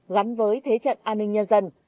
gắn với thế trận an ninh nhân dân